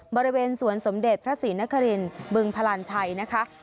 บริเวณสวนสมเด็จพระศรีนครินบึงพลานชัยนะคะ